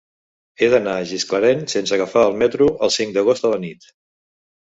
He d'anar a Gisclareny sense agafar el metro el cinc d'agost a la nit.